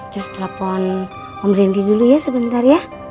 gue telpon om rendy dulu ya sebentar ya